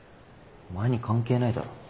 お前に関係ないだろ。